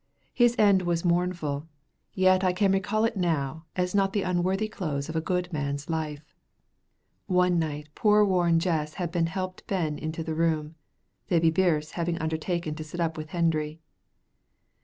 His end was mournful, yet I can recall it now as the not unworthy close of a good man's life. One night poor worn Jess had been helped ben into the room, Tibbie Birse having undertaken to sit up with Hendry.